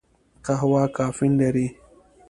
قهوه کافین لري